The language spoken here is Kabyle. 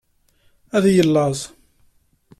Ad yellaẓ.